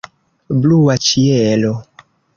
Blua ĉielo.